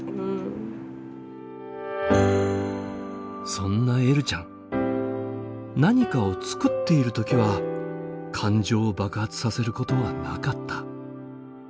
そんなえるちゃん何かを作っている時は感情を爆発させることはなかった。